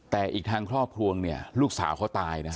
แต่อีกทางครอบครัวเนี่ยลูกสาวเขาตายนะ